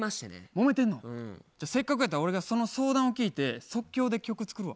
もめてんの？じゃあせっかくやったら俺がその相談を聞いて即興で曲作るわ。